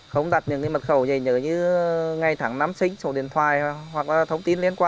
không đặt những mật khẩu như ngày tháng năm xích sổ điện thoại hoặc thông tin